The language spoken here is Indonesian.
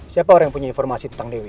siapa orang yang punya informasi tentang dewi